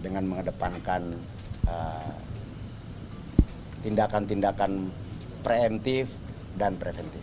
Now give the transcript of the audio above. dengan mengedepankan tindakan tindakan preemptif dan preventif